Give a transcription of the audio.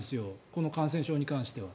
この感染症に関しては。